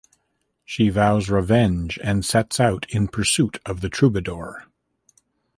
She vows revenge and sets out in pursuit of the troubadour.